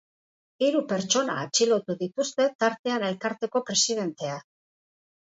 Hiru pertsona atxilotu dituzte, tartean elkarteko presidentea.